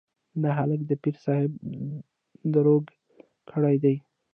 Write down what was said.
دا هلک يې د پير صاحب دروږ کړی دی.